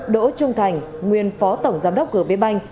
đỗ trung thành nguyên phó tổng giám đốc g p banh